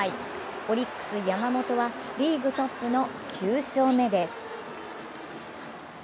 オリックス・山本はリーグトップの９勝目です。